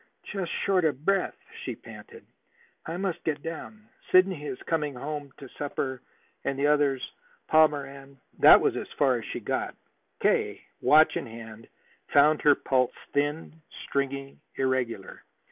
"Just short of breath," she panted. "I I must get down. Sidney is coming home to supper; and the others Palmer and " That was as far as she got. K., watch in hand, found her pulse thin, stringy, irregular.